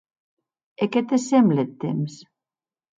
E qué te semble eth temps?